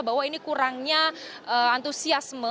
bahwa ini kurangnya antusiasme